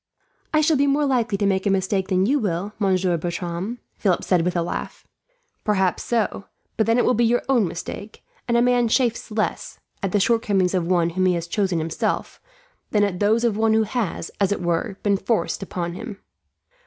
"I shall be more likely to make a mistake than you will, Monsieur Bertram," Philip said with a laugh. "Perhaps so, but then it will be your own mistake; and a man chafes less, at the shortcomings of one whom he has chosen himself, than at those of one who has, as it were, been forced upon him."